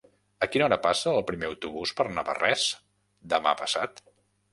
A quina hora passa el primer autobús per Navarrés demà passat?